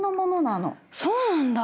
そうなんだ。